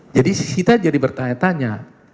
jadi kita jadi bertanya tanya